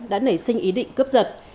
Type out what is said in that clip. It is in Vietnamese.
đã nảy sinh ý định cướp giật